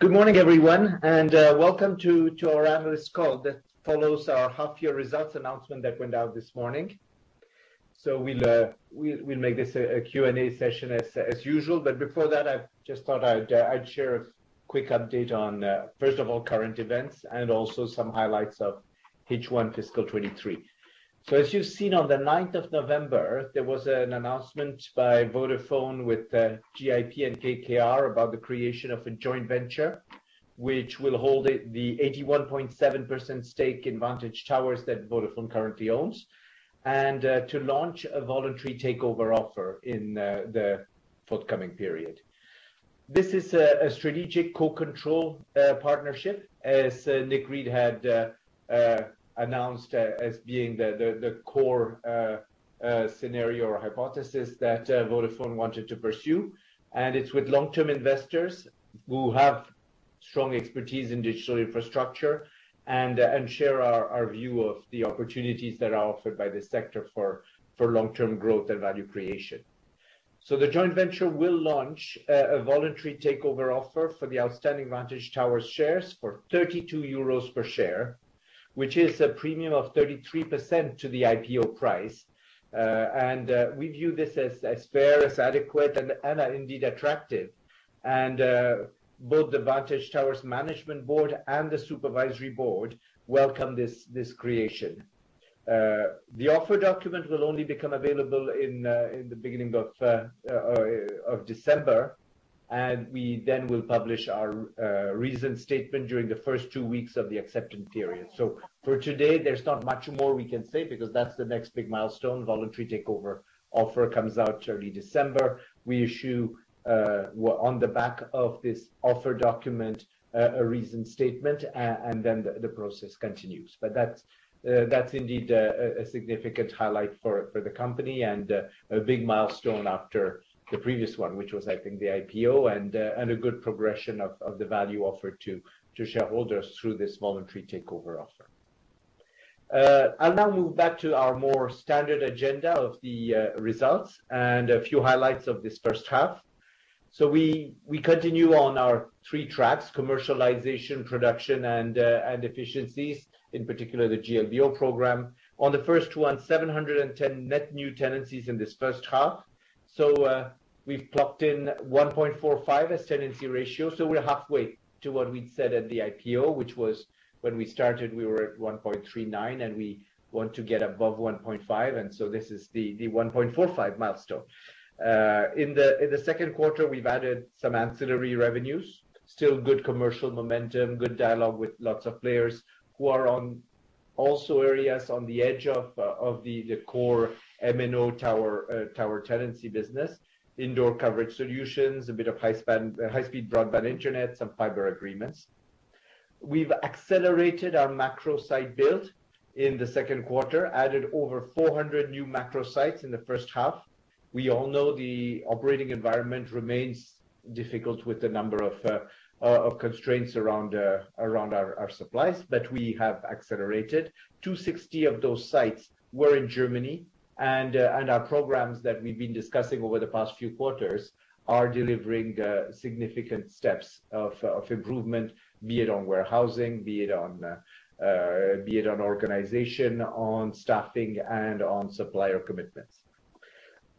Good morning, everyone, and welcome to our analyst call that follows our half-year results announcement that went out this morning. We'll make this a Q&A session as usual, but before that, I just thought I'd share a quick update on first of all, current events and also some highlights of H1 fiscal year 2023. As you've seen on the 9th of November, there was an announcement by Vodafone with GIP and KKR about the creation of a joint venture, which will hold the 81.7% stake in Vantage Towers that Vodafone currently owns, and to launch a voluntary takeover offer in the forthcoming period. This is a strategic co-control partnership, as Nick Read had announced as being the core scenario or hypothesis that Vodafone wanted to pursue. It's with long-term investors who have strong expertise in digital infrastructure and share our view of the opportunities that are offered by the sector for long-term growth and value creation. The joint venture will launch a voluntary takeover offer for the outstanding Vantage Towers shares for 32 euros per share, which is a premium of 33% to the IPO price. We view this as fair, as adequate and indeed attractive. Both the Vantage Towers management board and the supervisory board welcome this creation. The offer document will only become available in the beginning of December, and we then will publish our Reasoned Statement during the first two weeks of the acceptance period. For today, there's not much more we can say because that's the next big milestone. Voluntary takeover offer comes out early December. We issue on the back of this offer document a Reasoned Statement, and then the process continues. That's indeed a significant highlight for the company and a big milestone after the previous one, which was, I think, the IPO and a good progression of the value offer to shareholders through this voluntary takeover offer. I'll now move back to our more standard agenda of the results and a few highlights of this first half. We continue on our three tracks, commercialization, production, and efficiencies, in particular the GLBO program. On the first one, 710 net new tenancies in this first half. We've plugged in 1.45 as tenancy ratio. We're halfway to what we'd said at the IPO, which was when we started, we were at 1.39, and we want to get above 1.5, and this is the 1.45 milestone. In the second quarter, we've added some ancillary revenues. Still good commercial momentum, good dialogue with lots of players who are on also areas on the edge of the core MNO tower tenancy business, indoor coverage solutions, a bit of high-speed broadband internet, some fiber agreements. We've accelerated our macro site build in the second quarter, added over 400 new macro sites in the first half. We all know the operating environment remains difficult with the number of constraints around our supplies, but we have accelerated. 260 of those sites were in Germany. Our programs that we've been discussing over the past few quarters are delivering significant steps of improvement, be it on warehousing, be it on organization, on staffing, and on supplier commitments.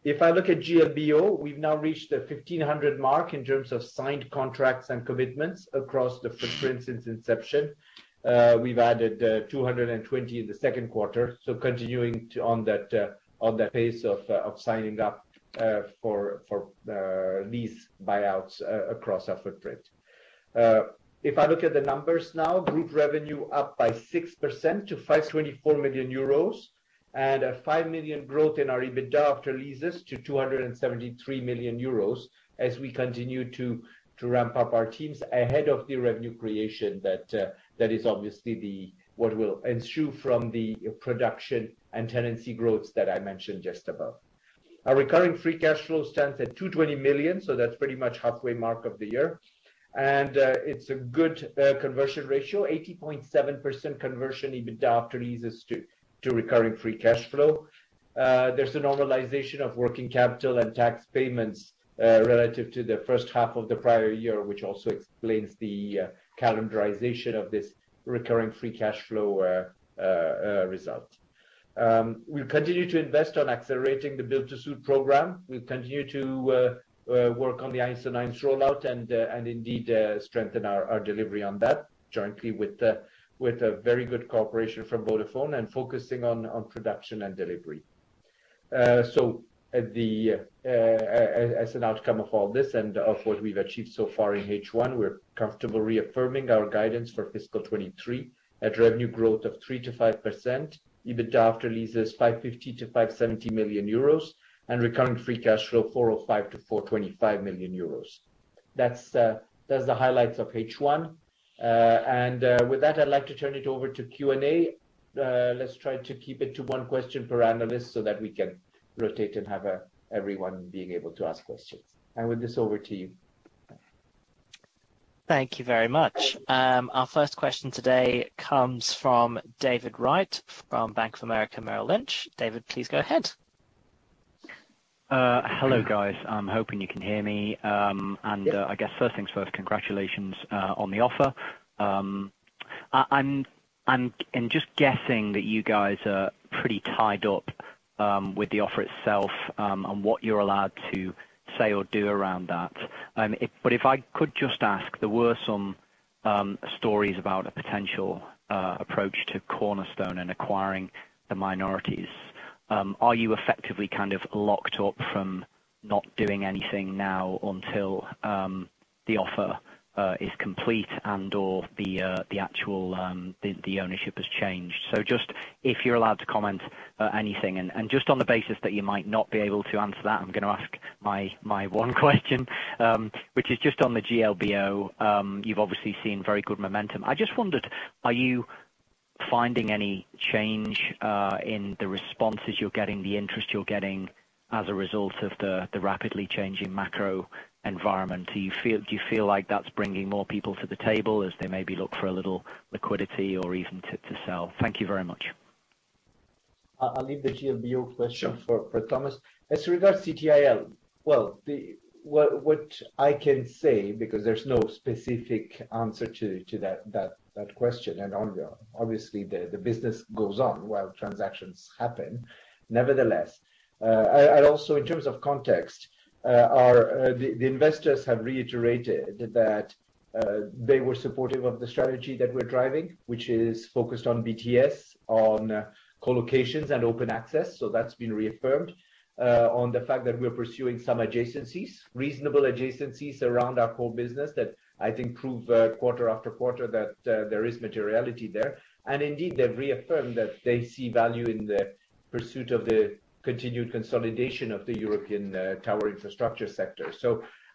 If I look at GLBO, we've now reached the 1,500 mark in terms of signed contracts and commitments across the footprint since inception. We've added 220 in the second quarter. Continuing on that pace of signing up for lease buyouts across our footprint. If I look at the numbers now, group revenue up by 6% to 524 million euros and a 5 million growth in our EBITDA after leases to 273 million euros as we continue to ramp up our teams ahead of the revenue creation that is obviously what will ensue from the production and tenancy growths that I mentioned just above. Our recurring free cash flow stands at 220 million, that's pretty much halfway mark of the year. It's a good conversion ratio, 80.7% conversion EBITDA after leases to recurring free cash flow. There's a normalization of working capital and tax payments relative to the first half of the prior year, which also explains the calendarization of this recurring free cash flow result. We'll continue to invest in accelerating the Built-to-Suit program. We'll continue to work on the 1&1 rollout and indeed strengthen our delivery on that jointly with a very good cooperation from Vodafone and focusing on production and delivery. As an outcome of all this and of what we've achieved so far in H1, we're comfortable reaffirming our guidance for fiscal year 2023 at revenue growth of 3%-5%, EBITDA after leases 550 million-570 million euros, and recurring free cash flow 405 million-425 million euros. That's the highlights of H1. With that, I'd like to turn it over to Q&A. Let's try to keep it to one question per analyst so that we can rotate and have everyone being able to ask questions. With this, over to you. Thank you very much. Our first question today comes from David Wright from Bank of America Merrill Lynch. David, please go ahead. Hello guys. I'm hoping you can hear me, and I guess first things first, congratulations on the offer. I'm just guessing that you guys are pretty tied up with the offer itself on what you're allowed to say or do around that. If I could just ask, there were some stories about a potential approach to Cornerstone and acquiring the minorities. Are you effectively kind of locked up from not doing anything now until the offer is complete and/or the actual ownership has changed? Just if you're allowed to comment anything and just on the basis that you might not be able to answer that, I'm gonna ask my one question, which is just on the GLBO. You've obviously seen very good momentum. I just wondered, are you finding any change in the responses you're getting, the interest you're getting as a result of the rapidly changing macro environment? Do you feel like that's bringing more people to the table as they maybe look for a little liquidity or even to sell? Thank you very much. I'll leave the GLBO question. For Thomas. As regards CTIL, what I can say, because there's no specific answer to that question and obviously the business goes on while transactions happen. Nevertheless, I'd also, in terms of context, our investors have reiterated that they were supportive of the strategy that we're driving, which is focused on BTS, on co-locations and open access. So that's been reaffirmed. On the fact that we're pursuing some adjacencies, reasonable adjacencies around our core business that I think prove quarter after quarter that there is materiality there. Indeed, they've reaffirmed that they see value in the pursuit of the continued consolidation of the European tower infrastructure sector.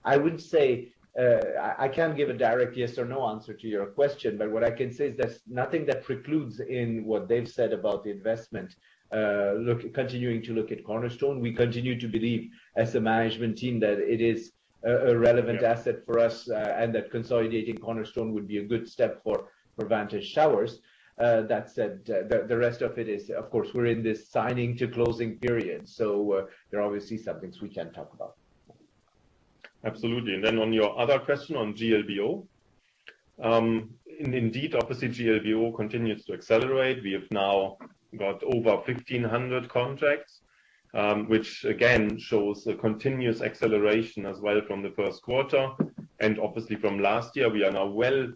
I would say, I can't give a direct yes or no answer to your question, but what I can say is there's nothing that precludes in what they've said about the investment continuing to look at Cornerstone. We continue to believe as a management team that it is a relevant asset for us, and that consolidating Cornerstone would be a good step for Vantage Towers. That said, the rest of it is, of course, we're in this signing to closing period, so there are obviously some things we can't talk about. Absolutely. On your other question on GLBO, indeed, obviously, GLBO continues to accelerate. We have now got over 1,500 contracts, which again shows a continuous acceleration as well from the first quarter. Obviously from last year, we are now well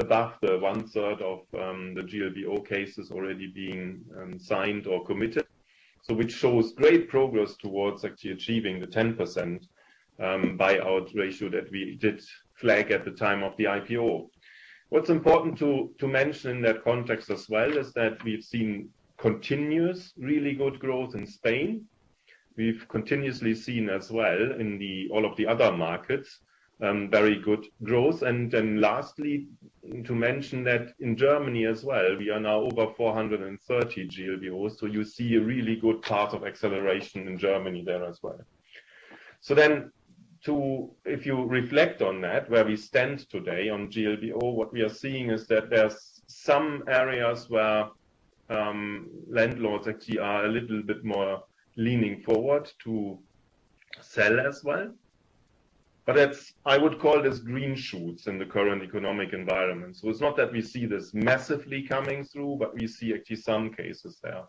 above the one-third of the GLBO cases already being signed or committed. Which shows great progress towards actually achieving the 10% buyout ratio that we did flag at the time of the IPO. What's important to mention in that context as well is that we've seen continuous really good growth in Spain. We've continuously seen as well in all of the other markets very good growth. Then lastly, to mention that in Germany as well, we are now over 430 GLBO, so you see a really good path of acceleration in Germany there as well. If you reflect on that, where we stand today on GLBO, what we are seeing is that there's some areas where landlords actually are a little bit more leaning forward to sell as well. That's I would call this green shoots in the current economic environment. It's not that we see this massively coming through, but we see actually some cases there.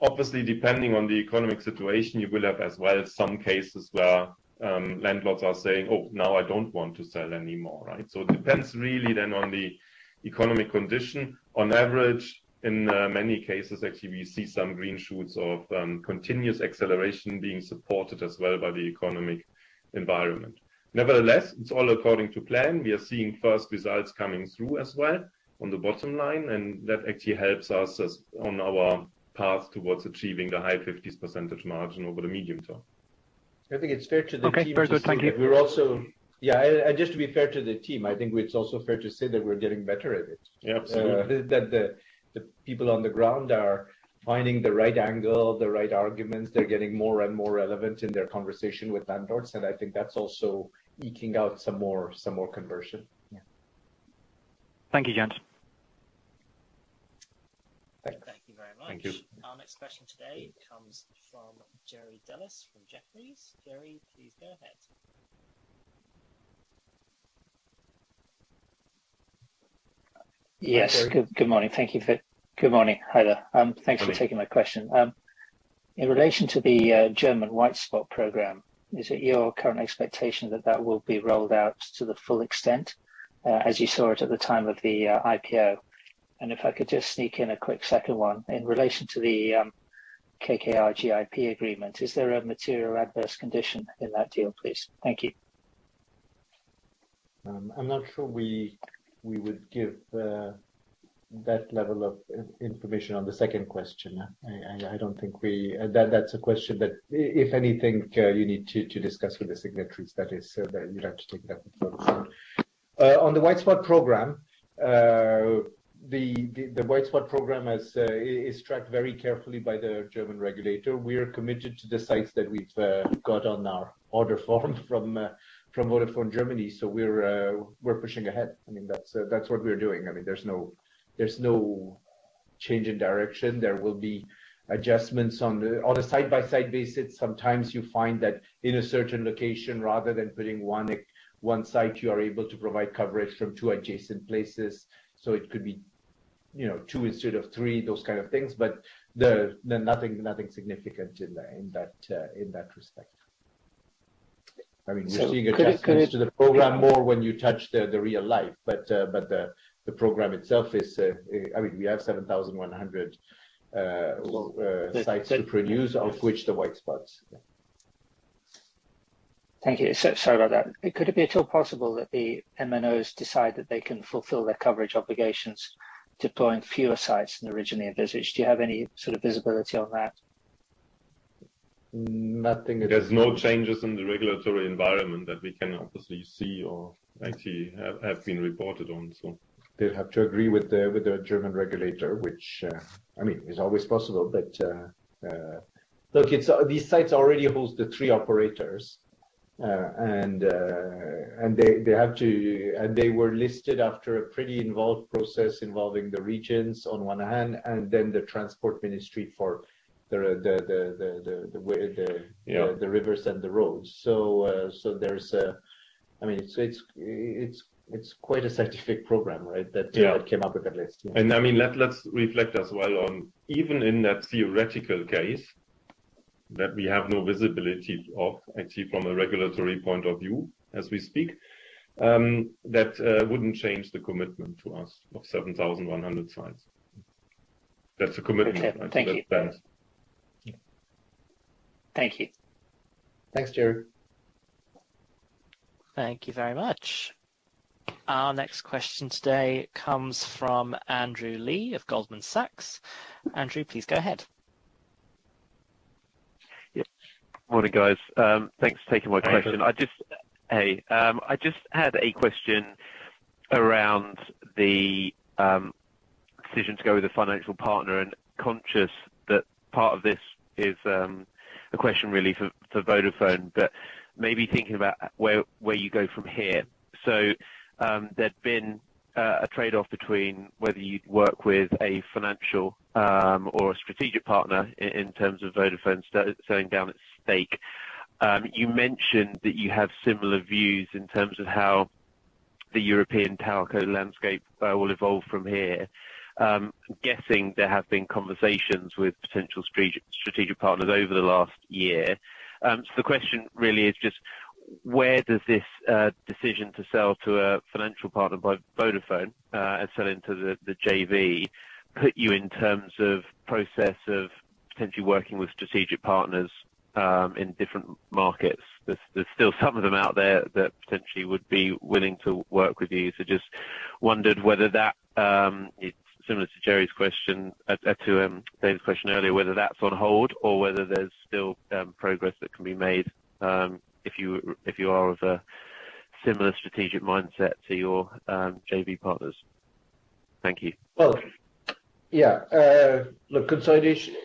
Obviously, depending on the economic situation, you will have as well some cases where landlords are saying, "Oh, now I don't want to sell anymore." Right. It depends really then on the economic condition. On average, in many cases, actually, we see some green shoots of continuous acceleration being supported as well by the economic environment. Nevertheless, it's all according to plan. We are seeing first results coming through as well on the bottom line, and that actually helps us along on our path towards achieving the high 50s margin over the medium term. I think it's fair to the team to say. Okay. Very good. Thank you. Just to be fair to the team, I think it's also fair to say that we're getting better at it. Yeah. Absolutely. That the people on the ground are finding the right angle, the right arguments. They're getting more and more relevant in their conversation with landlords, and I think that's also eking out some more conversion. Yeah. Thank you, gents. Thank you. Thank you. Thank you very much. Our next question today comes from Jerry Dellis from Jefferies. Jerry, please go ahead. Yes. Good morning. Good morning. Hi there. Thanks for taking my question. In relation to the German White Spot program, is it your current expectation that that will be rolled out to the full extent, as you saw it at the time of the IPO? If I could just sneak in a quick second one. In relation to the KKR GIP agreement, is there a material adverse condition in that deal, please? Thank you. I'm not sure we would give that level of information on the second question. That's a question that if anything, you need to discuss with the signatories. That is, you'd have to take that up with them. On the White Spot program, the White Spot program is tracked very carefully by the German regulator. We are committed to the sites that we've got on our order form from Vodafone Germany, so we're pushing ahead. I mean, that's what we're doing. I mean, there's no change in direction, there will be adjustments on a site-by-site basis. Sometimes you find that in a certain location, rather than putting one site, you are able to provide coverage from two adjacent places. It could be, you know, two instead of three, those kind of things. Nothing significant in that respect. I mean, we're seeing adjustments to the program more when you touch the real life. The program itself is, I mean, we have 7,100 sites to produce, of which the White Spots. Thank you. Sorry about that. Could it be at all possible that the MNOs decide that they can fulfill their coverage obligations, deploying fewer sites than originally envisioned? Do you have any sort of visibility on that? Nothing. There's no changes in the regulatory environment that we can obviously see or actually have been reported on, so. They'd have to agree with the German regulator, which, I mean, is always possible. But look, it's these sites already host the three operators. They were listed after a pretty involved process involving the regions on one hand, and then the transport ministry for the way. Yeah. The rivers and the roads. There's, I mean, so it's quite a scientific program, right? Yeah. That came up with that list. I mean, let's reflect as well on even in that theoretical case that we have no visibility of actually from a regulatory point of view as we speak, that wouldn't change the commitment to us of 7,100 sites. That's a commitment. Thank you. That's plans. Thank you. Thanks, Jerry. Thank you very much. Our next question today comes from Andrew Lee of Goldman Sachs. Andrew, please go ahead. Yes. Morning, guys. Thanks for taking my question. Morning. I just had a question around the decision to go with a financial partner and conscious that part of this is a question really for Vodafone, but maybe thinking about where you go from here. There'd been a tradeoff between whether you'd work with a financial or a strategic partner in terms of Vodafone selling down its stake. You mentioned that you have similar views in terms of how the European telco landscape will evolve from here. I'm guessing there have been conversations with potential strategic partners over the last year. The question really is just where does this decision to sell to a financial partner by Vodafone and selling to the JV put you in terms of process of potentially working with strategic partners in different markets? There's still some of them out there that potentially would be willing to work with you. Just wondered whether that it's similar to Jerry's question to David's question earlier, whether that's on hold or whether there's still progress that can be made, if you are of a similar strategic mindset to your JV partners. Thank you. Well, yeah. Look, consolidation,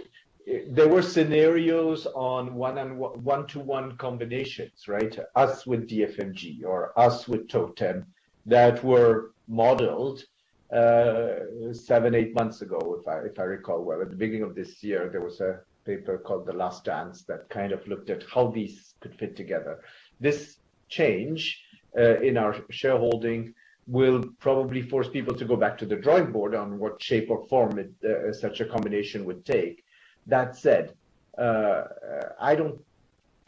there were scenarios on 1&1 combinations, right? Us with DFMG or us with TOTEM that were modeled seven, eight months ago, if I recall. Well, at the beginning of this year, there was a paper called The Last Dance that kind of looked at how these could fit together. This change in our shareholding will probably force people to go back to the drawing board on what shape or form it such a combination would take. That said, I don't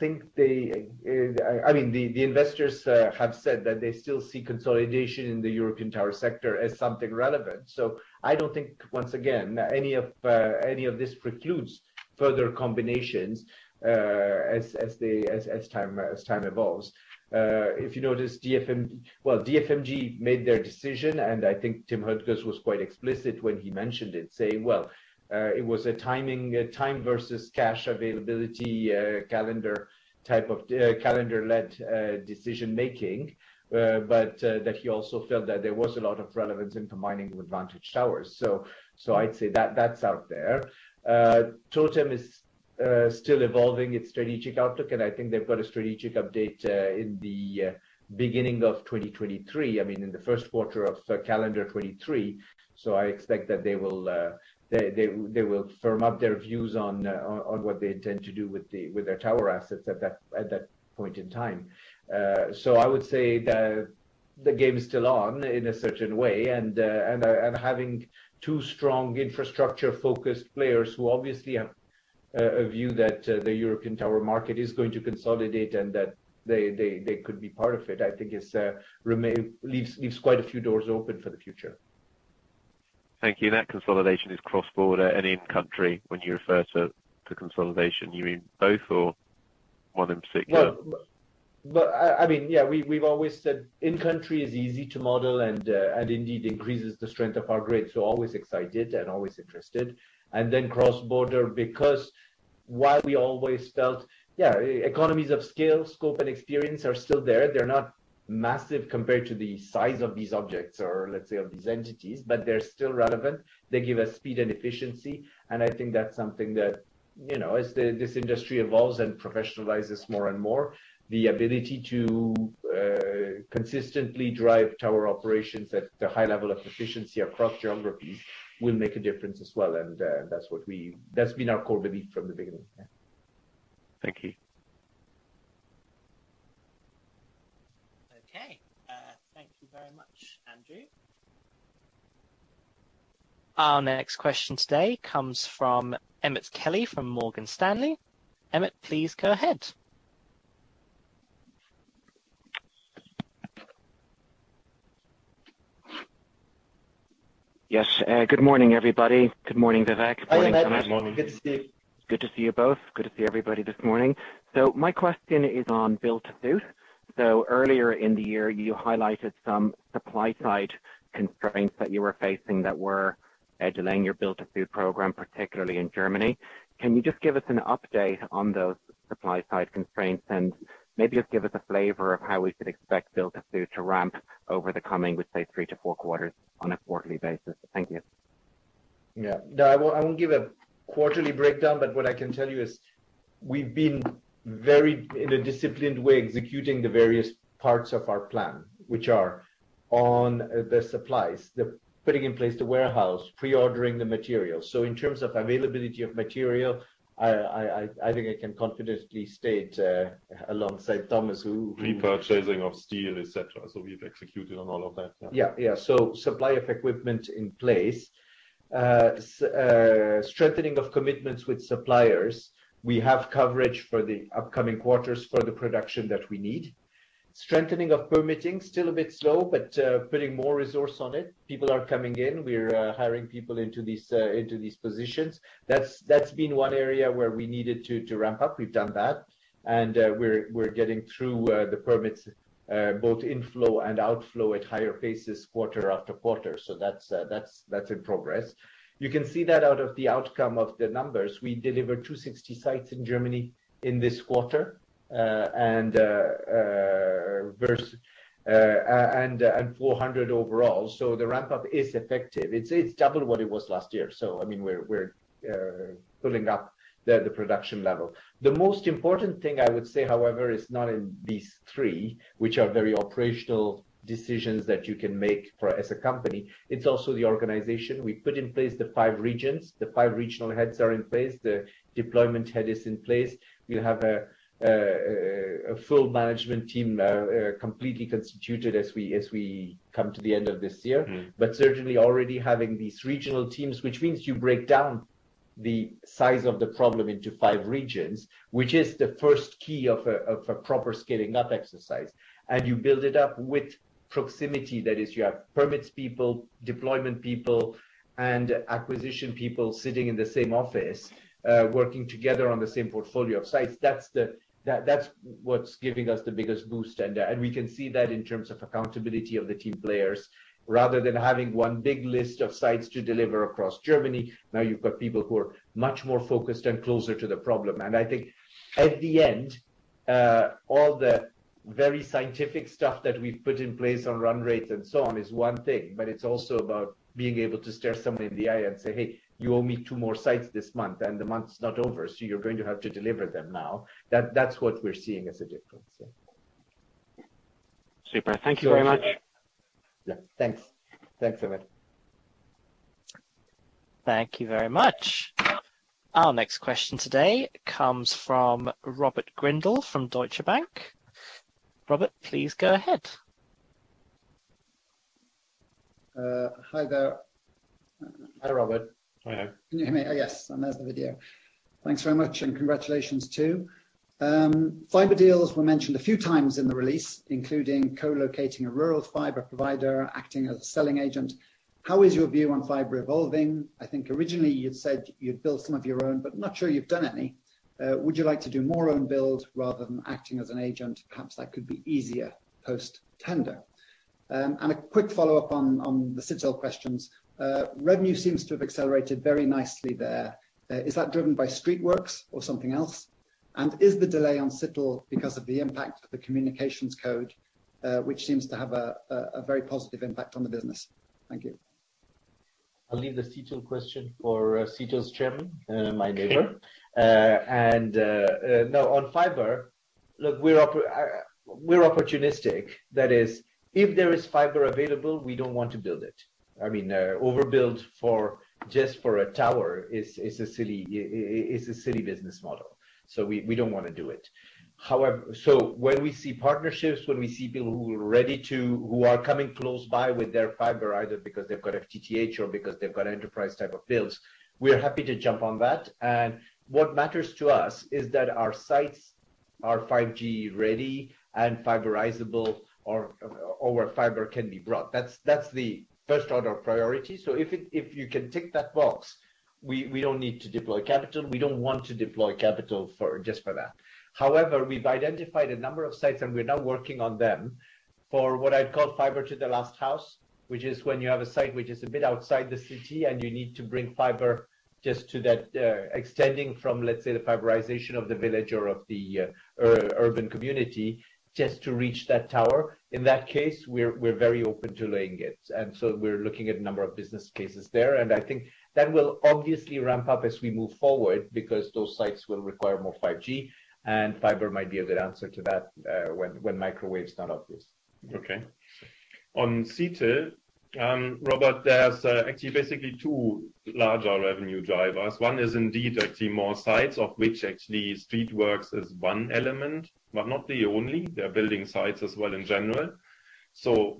think they, I mean, the investors, have said that they still see consolidation in the European tower sector as something relevant. I don't think, once again, any of this precludes further combinations as time evolves. If you notice DFMG... Well, DFMG made their decision, and I think Tim Höttges was quite explicit when he mentioned it, saying it was a timing, time versus cash availability, calendar type of, calendar-led, decision making, but that he also felt that there was a lot of relevance in combining with Vantage Towers. I'd say that's out there. TOTEM is still evolving its strategic outlook, and I think they've got a strategic update in the beginning of 2023. I mean, in the first quarter of calendar 2023. I expect that they will firm up their views on what they intend to do with their tower assets at that point in time. I would say the game is still on in a certain way and having two strong infrastructure-focused players who obviously have a view that the European tower market is going to consolidate and that they could be part of it, I think leaves quite a few doors open for the future. Thank you. That consolidation is cross-border and in country. When you refer to consolidation, you mean both or one in particular? I mean, yeah, we've always said in-country is easy to model and indeed increases the strength of our grade. Always excited and always interested. Then cross-border because while we always felt, yeah, economies of scale, scope, and experience are still there, they're not massive compared to the size of these objects or let's say of these entities, but they're still relevant. They give us speed and efficiency, and I think that's something that, you know, as this industry evolves and professionalizes more and more, the ability to consistently drive tower operations at the high level of efficiency across geographies will make a difference as well. That's been our core belief from the beginning. Yeah. Thank you. Okay, thank you very much, Andrew. Our next question today comes from Emmet Kelly from Morgan Stanley. Emmet, please go ahead. Yes. Good morning, everybody. Good morning, Vivek. Good morning, Thomas. Hi, Emmet. Good morning. Good to see you. Good to see you both. Good to see everybody this morning. My question is on Built-to-Suit. Earlier in the year, you highlighted some supply-side constraints that you were facing that were delaying your Built-to-Suit program, particularly in Germany. Can you just give us an update on those supply-side constraints and maybe just give us a flavor of how we should expect Built-to-Suit to ramp over the coming, we'd say, three to four quarters on a quarterly basis. Thank you. Yeah. No, I won't give a quarterly breakdown, but what I can tell you is we've been very in a disciplined way executing the various parts of our plan, which are on the supplies. Putting in place the warehouse, pre-ordering the material. In terms of availability of material, I think I can confidently state alongside Thomas who- Repurchasing of steel, et cetera. We've executed on all of that. Yeah. Yeah. Supply of equipment in place. Strengthening of commitments with suppliers. We have coverage for the upcoming quarters for the production that we need. Strengthening of permitting, still a bit slow, but putting more resource on it. People are coming in. We're hiring people into these positions. That's been one area where we needed to ramp up. We've done that. We're getting through the permits, both inflow and outflow at higher paces quarter after quarter. That's in progress. You can see that out of the outcome of the numbers. We delivered 260 sites in Germany in this quarter, and 400 overall. The ramp up is effective. It's double what it was last year, so I mean, we're pulling up the production level. The most important thing I would say, however, is not in these three, which are very operational decisions that you can make for as a company. It's also the organization. We put in place the five regions. The five regional heads are in place, the deployment head is in place. We have a full management team, completely constituted as we come to the end of this year. Mm-hmm. Certainly already having these regional teams, which means you break down the size of the problem into five regions, which is the first key of a proper scaling up exercise. You build it up with proximity. That is, you have permits people, deployment people, and acquisition people sitting in the same office, working together on the same portfolio of sites. That's what's giving us the biggest boost. We can see that in terms of accountability of the team players, rather than having one big list of sites to deliver across Germany. Now you've got people who are much more focused and closer to the problem. I think at the end, all the very scientific stuff that we've put in place on run rates and so on is one thing, but it's also about being able to stare somebody in the eye and say, "Hey, you owe me two more sites this month, and the month's not over, so you're going to have to deliver them now." That's what we're seeing as a difference, yeah. Super. Thank you very much. Yeah. Thanks. Thanks, Emmet. Thank you very much. Our next question today comes from Robert Grindle from Deutsche Bank. Robert, please go ahead. Hi there. Hi, Robert. Hi. Can you hear me? Yes, and there's the video. Thanks very much, and congratulations too. Fiber deals were mentioned a few times in the release, including co-locating a rural fiber provider, acting as a selling agent. How is your view on fiber evolving? I think originally you'd said you'd build some of your own, but I'm not sure you've done any. Would you like to do more own build rather than acting as an agent? Perhaps that could be easier post-tender. A quick follow-up on the CTIL questions. Revenue seems to have accelerated very nicely there. Is that driven by Streetworks or something else? And is the delay on CTIL because of the impact of the Communications Code, which seems to have a very positive impact on the business? Thank you. I'll leave the CTIL question for CTIL's Chairman, my neighbor. No, on fiber, look, we're opportunistic. That is, if there is fiber available, we don't want to build it. I mean, overbuild for just a tower is a silly business model. We don't wanna do it. However, when we see partnerships, when we see people who are ready to, who are coming close by with their fiber, either because they've got FTTH or because they've got enterprise type of builds, we're happy to jump on that. What matters to us is that our sites are 5G ready and fiberizable or where fiber can be brought. That's the first order of priority. If you can tick that box, we don't need to deploy capital. We don't want to deploy capital just for that. However, we've identified a number of sites, and we're now working on them for what I'd call fiber to the last house, which is when you have a site which is a bit outside the city and you need to bring fiber just to that, extending from, let's say, the fiberization of the village or of the urban community just to reach that tower. In that case, we're very open to laying it. We're looking at a number of business cases there, and I think that will obviously ramp up as we move forward because those sites will require more 5G, and fiber might be a good answer to that, when microwave's not obvious. Okay. On site, Robert, there's actually basically two larger revenue drivers. One is indeed actually more sites of which actually Streetworks is one element, but not the only. There are building sites as well in general.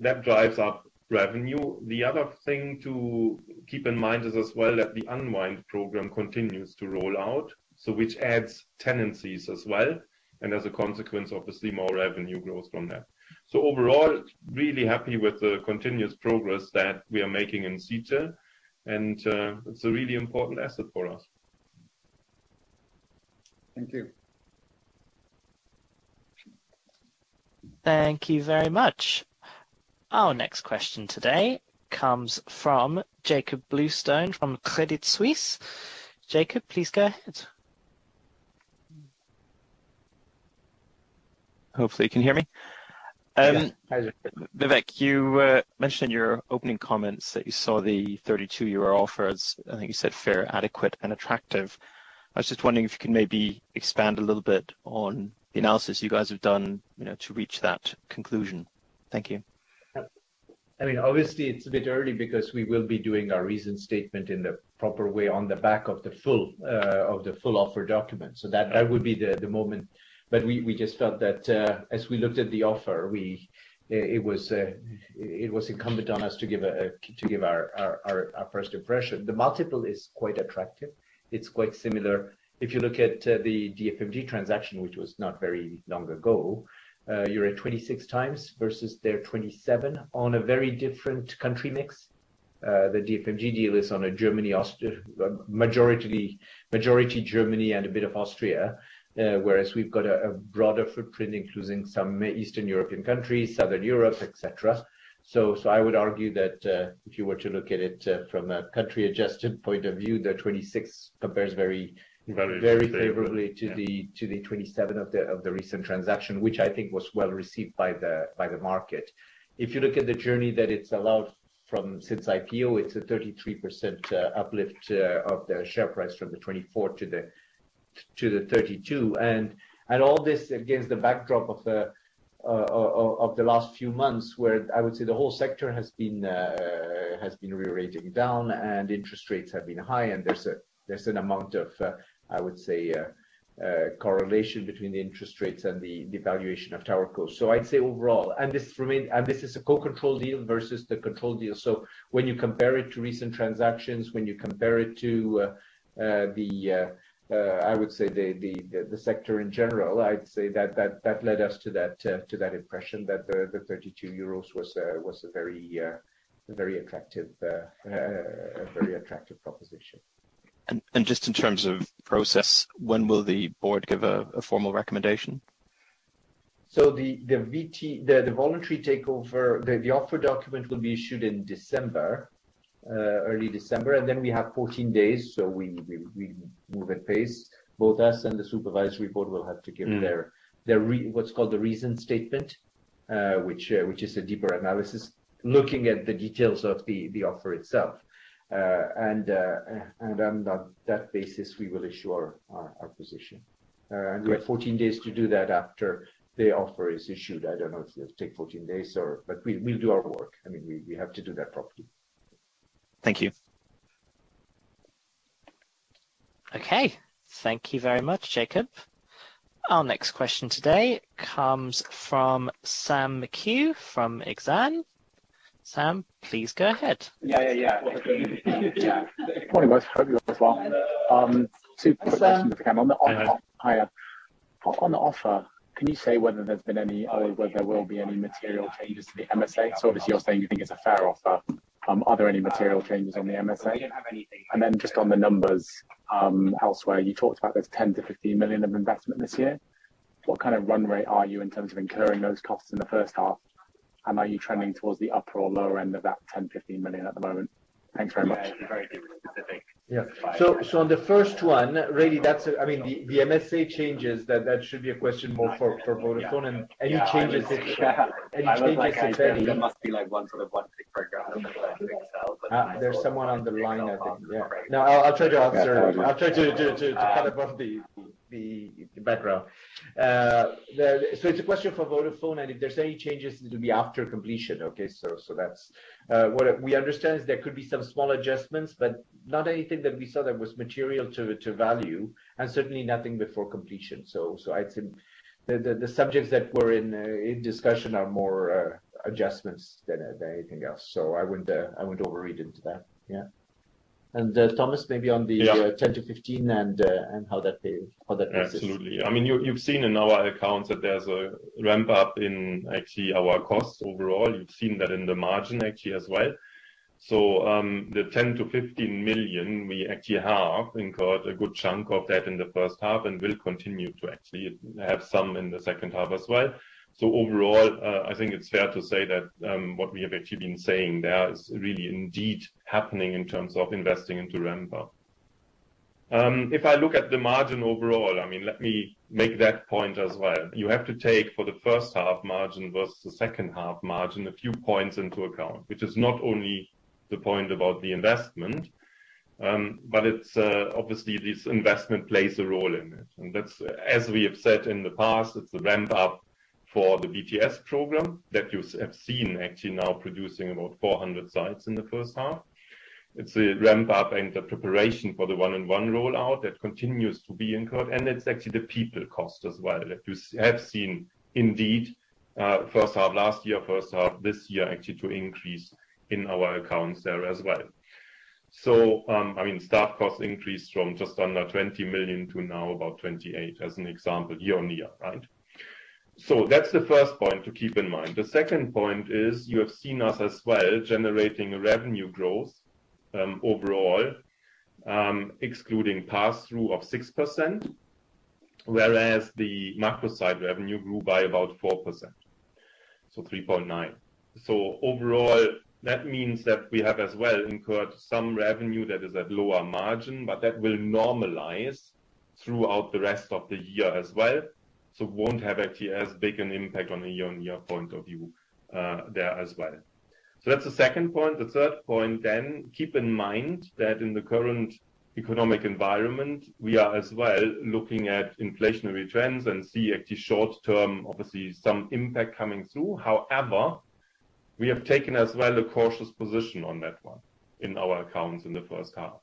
That drives up revenue. The other thing to keep in mind is as well that the Unwind program continues to roll out, so which adds tenancies as well, and as a consequence, obviously more revenue growth from that. Overall, really happy with the continuous progress that we are making in site, and it's a really important asset for us. Thank you. Thank you very much. Our next question today comes from Jakob Bluestone from Credit Suisse. Jakob, please go ahead. Hopefully you can hear me. Yeah. Vivek, you mentioned in your opening comments that you saw the 32 euro offer as, I think you said, fair, adequate and attractive. I was just wondering if you could maybe expand a little bit on the analysis you guys have done, you know, to reach that conclusion. Thank you. I mean, obviously it's a bit early because we will be doing our Reasoned Statement in the proper way on the back of the full offer document. That would be the moment. We just felt that as we looked at the offer, it was incumbent on us to give our first impression. The multiple is quite attractive. It's quite similar. If you look at the DFMG transaction, which was not very long ago, you're at 26x versus their 27x on a very different country mix. The DFMG deal is on a majority Germany and a bit of Austria, whereas we've got a broader footprint including some Eastern European countries, Southern Europe, et cetera. I would argue that if you were to look at it from a country adjusted point of view, the 26 compares very, very favorably to the 27 of the recent transaction, which I think was well received by the market. If you look at the journey that it's allowed from since IPO, it's a 33% uplift of the share price from the 24 to the 32. All this against the backdrop of the last few months where I would say the whole sector has been rerating down and interest rates have been high and there's an amount of correlation between the interest rates and the valuation of TowerCo. I'd say overall. This is a co-control deal versus the control deal. When you compare it to recent transactions, I would say the sector in general, I'd say that led us to that impression that the 32 euros was a very attractive proposition. Just in terms of process, when will the board give a formal recommendation? The VT voluntary takeover offer document will be issued in December, early December, and then we have 14 days, we move at pace. Both us and the supervisory board will have to give their Reasoned Statement, which is a deeper analysis, looking at the details of the offer itself. On that basis, we will issue our position. We have 14 days to do that after the offer is issued. I don't know if it'll take 14 days. We'll do our work. I mean, we have to do that properly. Thank you. Okay. Thank you very much, Jakob. Our next question today comes from Sam McHugh from Exane. Sam, please go ahead. Yeah. Morning, guys. Hope you're well. Two quick questions if I can. On the offer, can you say whether there's been any or whether there will be any material changes to the MSA? So obviously, you're saying you think it's a fair offer. Are there any material changes on the MSA? Just on the numbers, elsewhere, you talked about there's 10 million-15 million of investment this year. What kind of run rate are you in terms of incurring those costs in the first half? Are you trending towards the upper or lower end of that 10 million-15 million at the moment? Thanks very much. On the first one, really that's I mean, the MSA changes, that should be a question more for Vodafone and any changes, if any. There must be like one sort of one big program. There's someone on the line, I think. Yeah. No, I'll try to answer. I'll try to cut above the background. It's a question for Vodafone, and if there's any changes, it'll be after completion, okay? That's what we understand is there could be some small adjustments, but not anything that we saw that was material to value, and certainly nothing before completion. I'd say the subjects that were in discussion are more adjustments than anything else. I wouldn't overread into that. Yeah. Thomas, maybe on the- Yeah. 10 million-15 million and how that pays, how that progresses. Absolutely. I mean, you've seen in our accounts that there's a ramp up in actually our costs overall. You've seen that in the margin actually as well. The 10 million-15 million we actually have incurred a good chunk of that in the first half and will continue to actually have some in the second half as well. Overall, I think it's fair to say that, what we have actually been saying there is really indeed happening in terms of investing into ramp up. If I look at the margin overall, I mean, let me make that point as well. You have to take for the first half margin versus the second half margin, a few points into account, which is not only the point about the investment, but it's, obviously this investment plays a role in it. That's, as we have said in the past, it's a ramp up for the BTS program that you have seen actually now producing about 400 sites in the first half. It's a ramp up and the preparation for the 1&1 rollout that continues to be incurred, and it's actually the people cost as well that you have seen first half last year, first half this year actually to increase in our accounts there as well. I mean, staff costs increased from just under 20 million to now about 28 million as an example year-on-year, right? That's the first point to keep in mind. The second point is you have seen us as well generating revenue growth overall excluding passthrough of 6%, whereas the macro site revenue grew by about 4%, so 3.9%. Overall, that means that we have as well incurred some revenue that is at lower margin, but that will normalize throughout the rest of the year as well. Won't have actually as big an impact on a year-on-year point of view, there as well. That's the second point. The third point, keep in mind that in the current economic environment we are as well looking at inflationary trends and see actually short-term, obviously some impact coming through. However, we have taken as well a cautious position on that one in our accounts in the first half.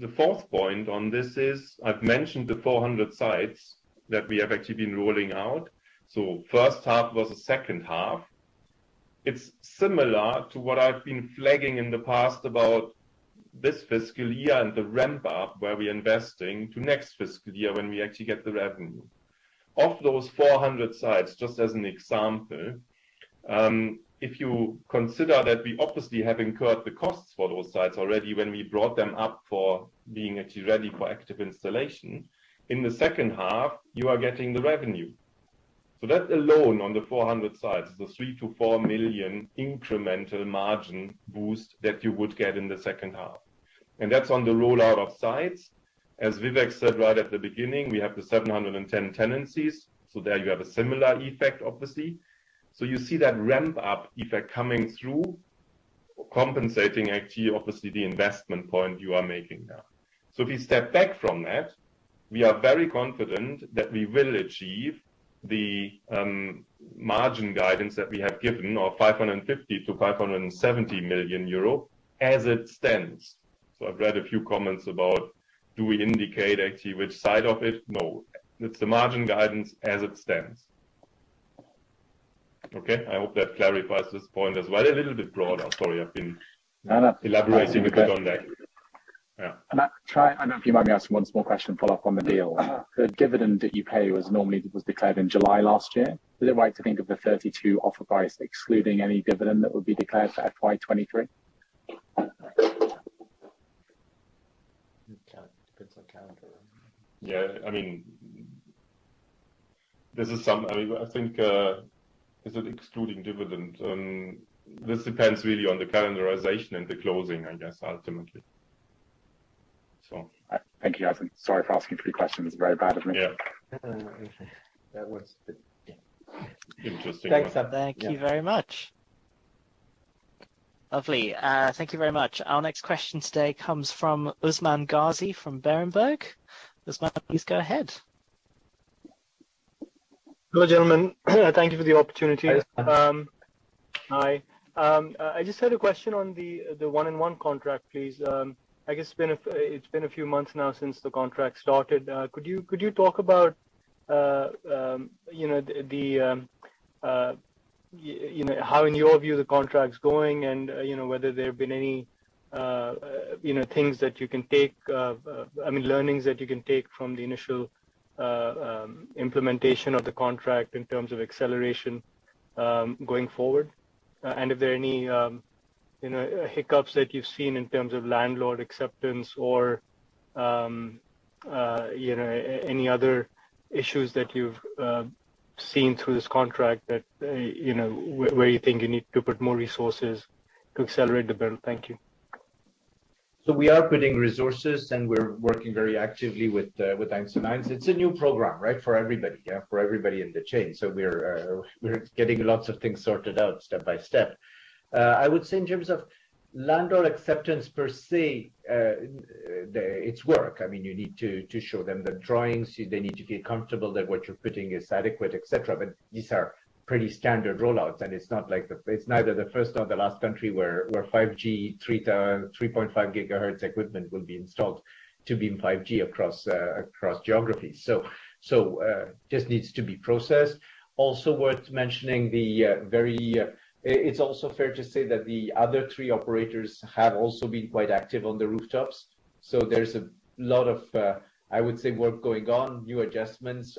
The fourth point on this is, I've mentioned the 400 sites that we have actually been rolling out. First half versus second half. It's similar to what I've been flagging in the past about this fiscal year and the ramp up where we're investing to next fiscal year when we actually get the revenue. Of those 400 sites, just as an example, if you consider that we obviously have incurred the costs for those sites already when we brought them up for being actually ready for active installation. In the second half, you are getting the revenue. That alone on the 400 sites is a 3 million-4 million incremental margin boost that you would get in the second half. That's on the rollout of sites. As Vivek said right at the beginning, we have the 710 tenancies. There you have a similar effect obviously. You see that ramp up effect coming through compensating actually obviously the investment point you are making now. If we step back from that, we are very confident that we will achieve the margin guidance that we have given of 550 million-570 million euro as it stands. I've read a few comments about do we indicate actually which side of it? No. It's the margin guidance as it stands. Okay. I hope that clarifies this point as well. A little bit broader. Sorry, I've been elaborating a bit on that. Yeah. I'll try. I don't know if you mind me asking one more question to follow up on the deal. Uh-huh. The dividend that you pay was normally declared in July last year. Is it right to think of the 32 offer price excluding any dividend that would be declared for FY 2023? Yeah. I mean, I think, is it excluding dividend? This depends really on the calendarization and the closing, I guess, ultimately. Thank you. I think. Sorry for asking three questions. Very bad of me. Yeah. That was a bit, yeah. Interesting. Thanks. Thank you very much. Lovely. Thank you very much. Our next question today comes from Usman Ghazi from Berenberg. Usman, please go ahead. Hello, gentlemen. Thank you for the opportunity. Hi, Usman. Hi. I just had a question on the 1&1 contract, please. I guess it's been a few months now since the contract started. Could you talk about, you know, how in your view the contract's going and, you know, whether there have been any, you know, things that you can take, I mean, learnings that you can take from the initial implementation of the contract in terms of acceleration going forward? And if there are any, you know, hiccups that you've seen in terms of landlord acceptance or, you know, any other issues that you've seen through this contract that, you know, where you think you need to put more resources to accelerate the build. Thank you. We are putting resources, and we're working very actively with 1&1. It's a new program, right? For everybody. Yeah, for everybody in the chain. We're getting lots of things sorted out step by step. I would say in terms of landlord acceptance per se, it's work. I mean, you need to show them the drawings. They need to feel comfortable that what you're putting is adequate, et cetera. But these are pretty standard rollouts, and it's not like the. It's neither the first nor the last country where 5G 3-3.5 GHz equipment will be installed to be in 5G across geographies. Just needs to be processed. Also worth mentioning the very. It's also fair to say that the other three operators have also been quite active on the rooftops. There's a lot of, I would say work going on, new adjustments,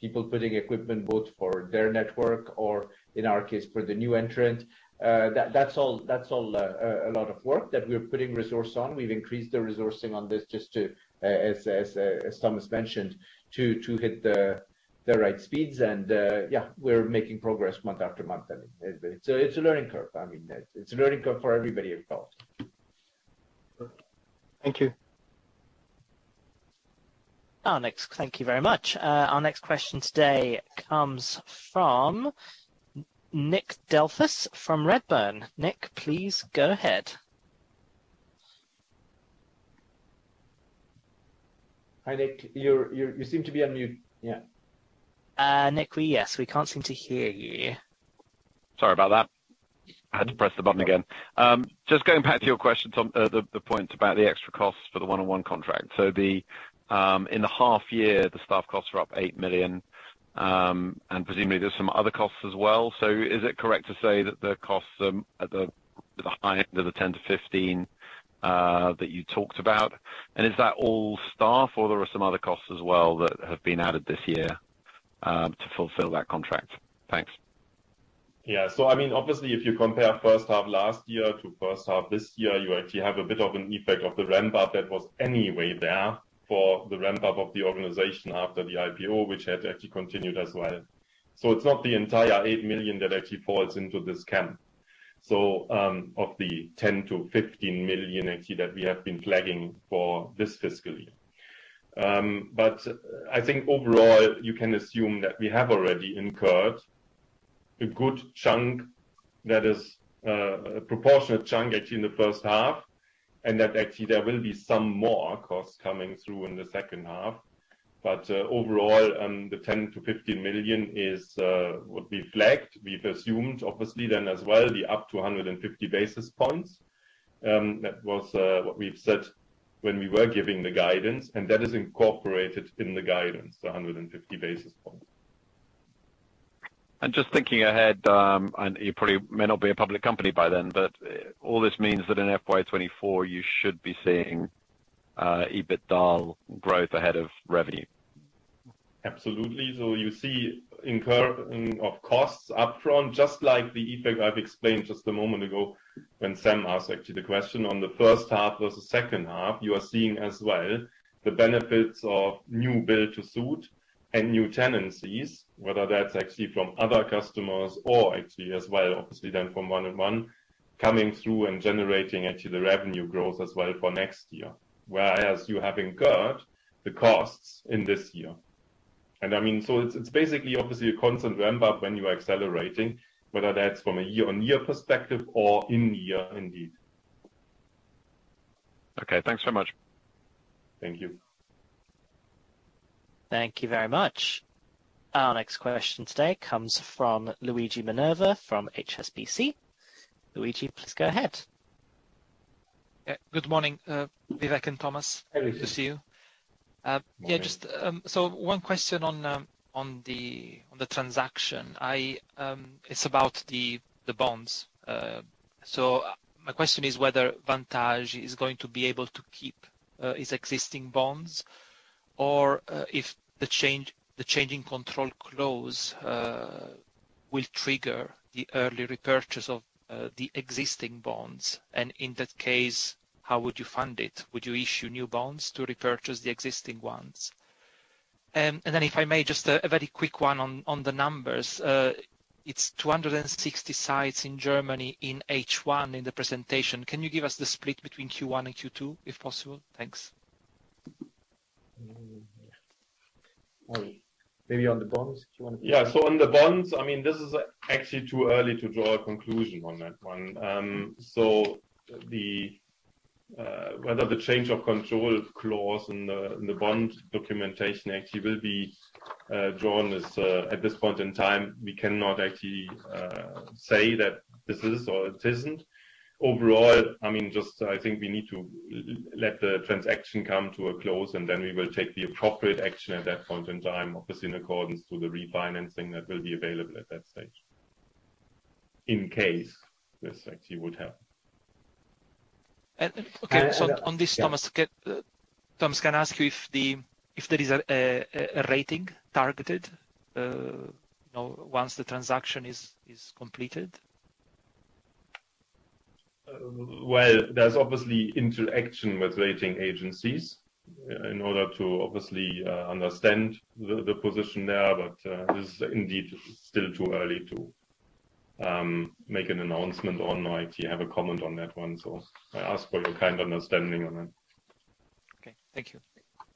people putting equipment both for their network or in our case, for the new entrant. That's all a lot of work that we're putting resource on. We've increased the resourcing on this just to, as Thomas mentioned, to hit the right speeds and, yeah, we're making progress month after month. It's a learning curve. I mean, it's a learning curve for everybody involved. Thank you. Thank you very much. Our next question today comes from Nick Delfas from Redburn. Nick, please go ahead. Hi, Nick. You seem to be on mute. Yeah. Nick, yes, we can't seem to hear you. Sorry about that. I had to press the button again. Just going back to your question, Tom, the point about the extra costs for the 1&1 contract. In the half-year, the staff costs were up 8 million, and presumably there's some other costs as well. Is it correct to say that the costs at the high end of the 10 million-15 million that you talked about? And is that all staff or there are some other costs as well that have been added this year to fulfill that contract? Thanks. Yeah. I mean, obviously if you compare first half last year to first half this year, you actually have a bit of an effect of the ramp up that was anyway there for the ramp up of the organization after the IPO, which had actually continued as well. It's not the entire 8 million that actually falls into this camp. Of the 10 million-15 million actually that we have been flagging for this fiscal year. I think overall, you can assume that we have already incurred a good chunk that is, a proportionate chunk actually in the first half, and that actually there will be some more costs coming through in the second half. Overall, the 10 million-15 million is what we flagged. We've assumed obviously then as well the up to 150 basis points. That was what we've said when we were giving the guidance, and that is incorporated in the guidance, the 150 basis points. Just thinking ahead, you probably may not be a public company by then, but all this means that in FY 2024 you should be seeing EBITDA growth ahead of revenue. Absolutely. You see incurring of costs upfront, just like the effect I've explained just a moment ago when Sam asked actually the question on the first half versus second half. You are seeing as well the benefits of new Built-to-Suit and new tenancies, whether that's actually from other customers or actually as well, obviously then from 1&1, coming through and generating actually the revenue growth as well for next year. Whereas you have incurred the costs in this year. I mean, it's basically obviously a constant ramp up when you are accelerating, whether that's from a year-on-year perspective or in-year indeed. Okay. Thanks so much. Thank you. Thank you very much. Our next question today comes from Luigi Minerva from HSBC. Luigi, please go ahead. Yeah. Good morning, Vivek and Thomas. Hi, Luigi. Good to see you. Morning. Yeah, just so one question on the transaction. It's about the bonds. So my question is whether Vantage is going to be able to keep its existing bonds or if the change of control clause will trigger the early repurchase of the existing bonds. In that case, how would you fund it? Would you issue new bonds to repurchase the existing ones? Then if I may, just a very quick one on the numbers. It's 260 sites in Germany in H1 in the presentation. Can you give us the split between Q1 and Q2, if possible? Thanks. Well, maybe on the bonds. Do you wanna- Yeah. On the bonds, I mean, this is actually too early to draw a conclusion on that one. The whether the change of control clause in the bond documentation actually will be drawn is at this point in time, we cannot actually say that this is or it isn't. Overall, I mean, just I think we need to let the transaction come to a close, and then we will take the appropriate action at that point in time, obviously in accordance to the refinancing that will be available at that stage. In case this actually would help. Okay. On this, Thomas, can I ask you if there is a rating targeted, you know, once the transaction is completed? Well, there's obviously interaction with rating agencies in order to obviously understand the position there. This is indeed still too early to make an announcement or no, if you have a comment on that one. I ask for your kind understanding on that. Okay. Thank you.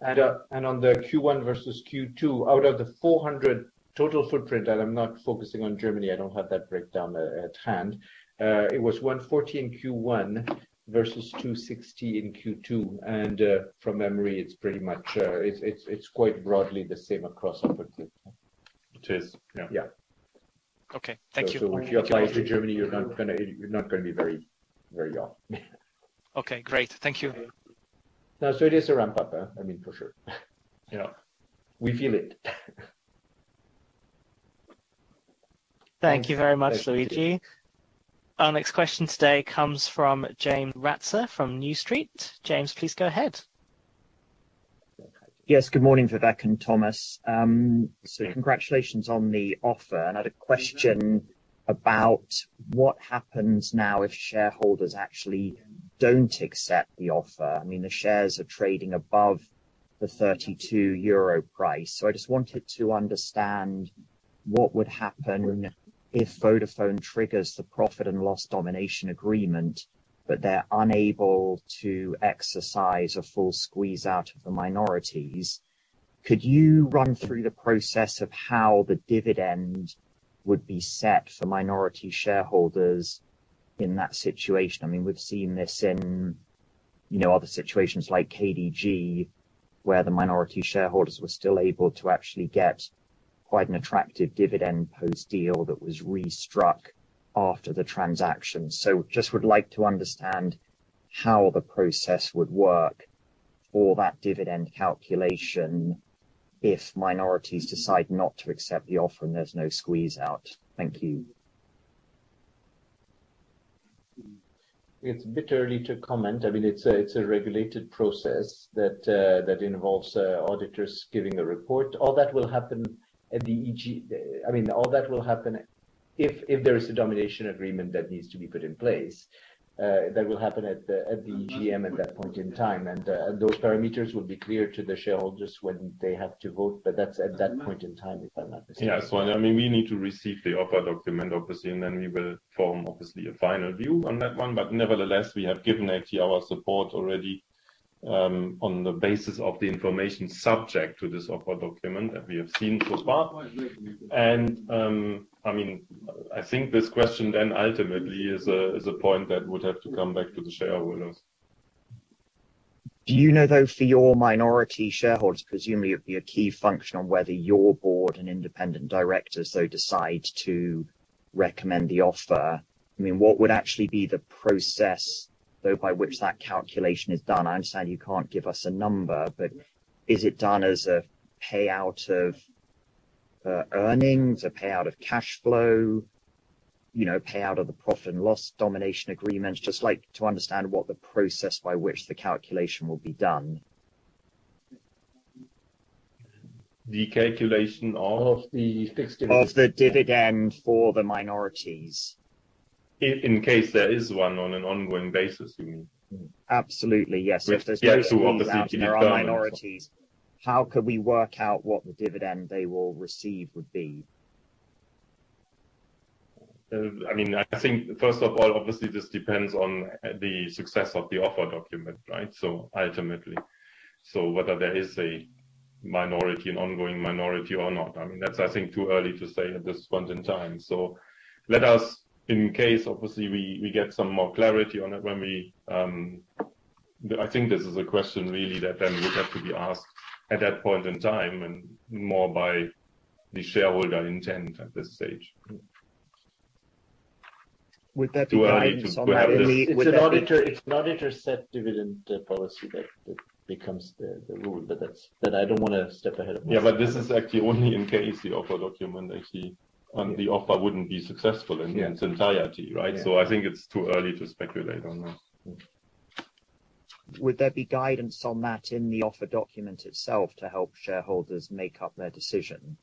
On the Q1 versus Q2, out of the 400 total footprint, and I'm not focusing on Germany, I don't have that breakdown at hand, it was 140 in Q1 versus 260 in Q2. From memory, it's pretty much it's quite broadly the same across the board. It is. Yeah. Yeah. Okay. Thank you. If you apply it to Germany, you're not gonna be very wrong. Okay. Great. Thank you. It is a ramp up, huh? I mean, for sure. Yeah. We feel it. Thank you very much, Luigi. Our next question today comes from James Ratzer from New Street. James, please go ahead. Yes. Good morning, Vivek and Thomas. Congratulations on the offer. I had a question about what happens now if shareholders actually don't accept the offer. I mean, the shares are trading above the 32 euro price. I just wanted to understand what would happen if Vodafone triggers the profit and loss domination agreement, but they're unable to exercise a full squeeze-out of the minorities? Could you run through the process of how the dividend would be set for minority shareholders in that situation? I mean, we've seen this in, you know, other situations like KDG, where the minority shareholders were still able to actually get quite an attractive dividend post-deal that was re-struck after the transaction. I just would like to understand how the process would work for that dividend calculation if minorities decide not to accept the offer and there's no squeeze-out. Thank you. It's a bit early to comment. I mean, it's a regulated process that involves auditors giving a report. All that will happen if there is a domination agreement that needs to be put in place, that will happen at the EGM at that point in time. I mean, those parameters will be clear to the shareholders when they have to vote, but that's at that point in time, if I'm not mistaken. Yes. Well, I mean, we need to receive the offer document, obviously, and then we will form obviously a final view on that one. Nevertheless, we have given actually our support already on the basis of the information subject to this offer document that we have seen so far. I mean, I think this question then ultimately is a point that would have to come back to the shareholders. Do you know, though, for your minority shareholders, presumably it'd be a key function on whether your board and independent directors though decide to recommend the offer. I mean, what would actually be the process though by which that calculation is done? I understand you can't give us a number, but is it done as a payout of earnings, a payout of cash flow, you know, payout of the profit and loss domination agreements? Just like to understand what the process by which the calculation will be done. The calculation of? Of the fixed dividends. Of the dividend for the minorities. In case there is one on an ongoing basis, you mean? Absolutely, yes. If there's Which actually obviously we determine. Minorities, how could we work out what the dividend they will receive would be? I mean, I think first of all, obviously this depends on the success of the offer document, right? Ultimately, whether there is a minority, an ongoing minority or not, I mean, that's, I think, too early to say at this point in time. Let us, in case obviously we get some more clarity on it. I think this is a question really that then would have to be asked at that point in time and more by the shareholder intent at this stage. Would that be guidance somewhere in the- Do I need to grab this? It's an auditor set dividend policy that becomes the rule. I don't wanna step ahead of myself. Yeah. This is actually only in case the offer document actually, and the offer wouldn't be successful in- Yeah. In its entirety, right? Yeah. I think it's too early to speculate on that. Would there be guidance on that in the offer document itself to help shareholders make up their decision?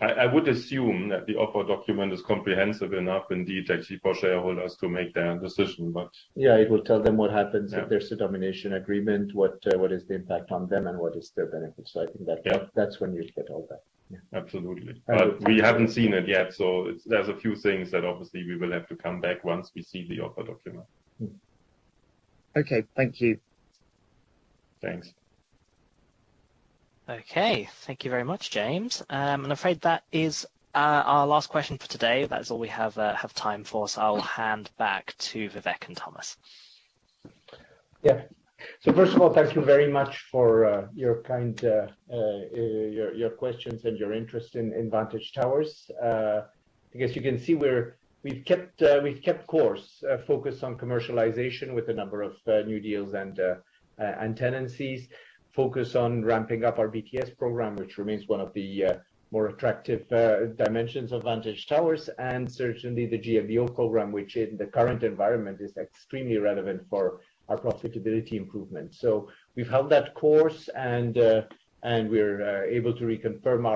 I would assume that the offer document is comprehensive enough indeed actually for shareholders to make their own decision, but. Yeah. It will tell them what happens. Yeah. If there's a domination agreement, what is the impact on them and what is their benefit. I think that- Yeah. That's when you'll get all that. Yeah. Absolutely. We haven't seen it yet, so there's a few things that obviously we will have to come back once we see the offer document. Okay. Thank you. Thanks. Okay. Thank you very much, James. I'm afraid that is our last question for today. That's all we have time for. I'll hand back to Vivek and Thomas. Yeah. First of all, thank you very much for your kind questions and your interest in Vantage Towers. I guess you can see we've kept course focused on commercialization with a number of new deals and tenancies. Focus on ramping up our BTS program, which remains one of the more attractive dimensions of Vantage Towers, and certainly the GLBO program, which in the current environment is extremely relevant for our profitability improvement. We've held that course and we're able to reconfirm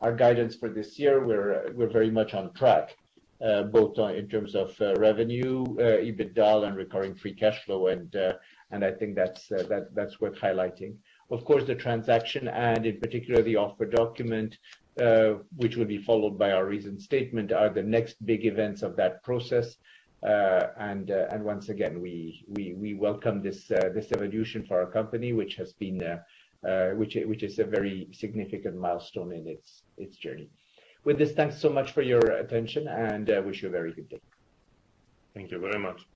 our guidance for this year. We're very much on track both in terms of revenue, EBITDA and recurring free cash flow and I think that's worth highlighting. Of course, the transaction and in particular the offer document, which will be followed by our Reasoned Statement are the next big events of that process. Once again, we welcome this evolution for our company, which is a very significant milestone in its journey. With this, thanks so much for your attention and wish you a very good day. Thank you very much.